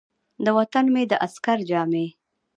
د وطن مې د عسکر جامې ،